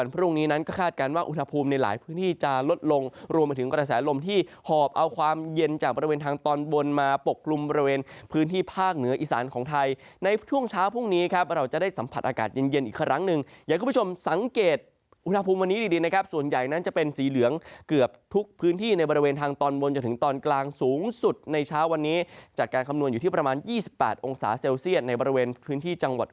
ภาคกลางอีสานของไทยในช่วงเช้าพรุ่งนี้ครับเราจะได้สัมผัสอากาศเย็นอีกข้ระกร้างหนึ่งอยากชมสังเกตอุณหภูมิเมือนี้ดิแล้วครับส่วนใหญ่กันจะเป็นสีเหลืองเกือบทุกพื้นที่ในบริเวณทางตอนลงจะถึงตอนกลางสูงสุดในช้าวันนี้จากการคำนวณอยู่ที่ประมาณ๒๘องศาเซลเซียตในบริเวณพื้นที่จั